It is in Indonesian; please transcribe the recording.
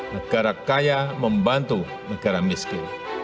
negara kaya membantu negara miskin